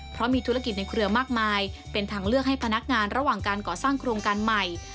เพราะมีธุรกิจในเครือมากมายเป็นทางเลือกให้พนักงานระหว่างการก่อสร้างโครงการใหม่